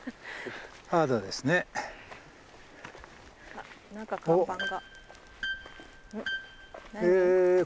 あっ何か看板が。